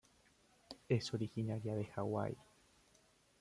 Es originaria de Hawái.